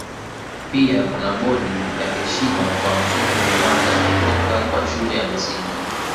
Pia kuna bodi ya heshima kwa Msomi wa Mwaka kutoka kwa Shule ya Msingi.